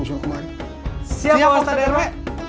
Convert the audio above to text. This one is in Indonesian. siap pak ustadz erwe